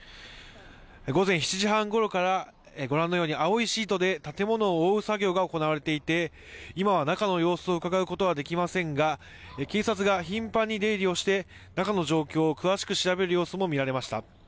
午前７時半ごろから、ご覧のように青いシートで建物を覆う作業が行われていて、今は中の様子をうかがうことはできませんが、警察が頻繁に出入りをして、中の状況を詳しく調べる様子も見られました。